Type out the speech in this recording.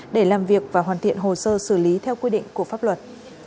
để làm việc và hoàn thiện hồ sơ xử lý theo quy định của pháp luật